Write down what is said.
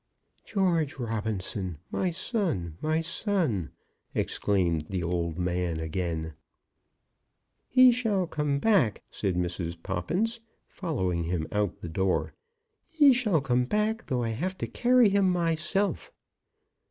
"George Robinson, my son, my son!" exclaimed the old man again. "He shall come back!" said Mrs. Poppins, following him out of the door. "He shall come back, though I have to carry him myself."